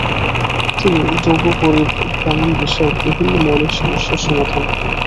তিনি ডুবো পরিভ্রমন বিষয়ক বিভিন্ন মৌলিক সমস্যার সমাধান করেন।